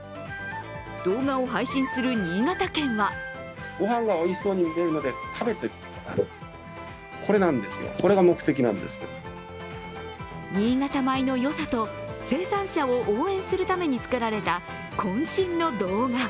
動画を配信する新潟県は新潟米のよさと、生産者を応援するために作られた渾身の動画。